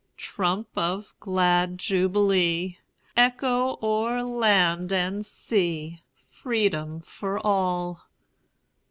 Trump of glad jubilee, Echo o'er land and sea, Freedom for all!